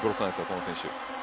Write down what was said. この選手。